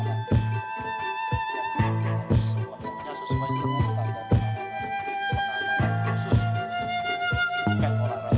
dan dikonsultasi yang sangat penting